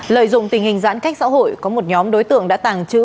lợi dụng tình hình giãn cách xã hội có một nhóm đối tượng đã tàng trữ